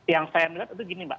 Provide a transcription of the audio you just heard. yang saya melihat itu gini mbak